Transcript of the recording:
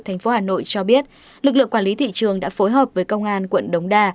thành phố hà nội cho biết lực lượng quản lý thị trường đã phối hợp với công an quận đống đa